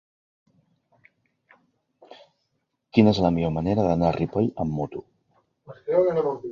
Quina és la millor manera d'anar a Ripoll amb moto?